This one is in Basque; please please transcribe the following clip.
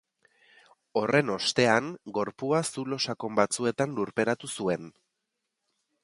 Horren ostean, gorpua zulo sakon batzuetan lurperatu zuen.